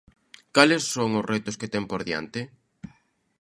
Cales son os retos que ten por diante?